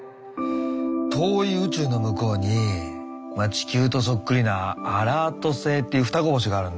遠い宇宙の向こうに地球とそっくりなアラート星っていう双子星があるんだ。